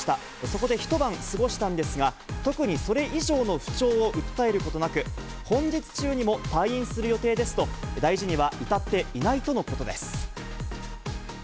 そこで一晩過ごしたんですが、特にそれ以上の不調を訴えることなく、本日中にも退院する予定ですと、大事には至っていないとのことです。